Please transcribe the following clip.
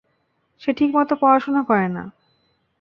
সে ঠিকমতো পড়াশোনা করে না।